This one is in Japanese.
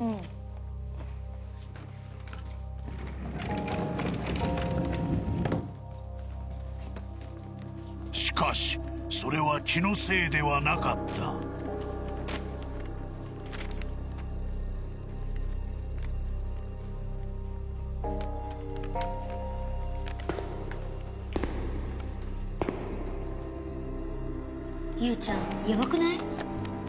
うんしかしそれは気のせいではなかったユウちゃんやばくない？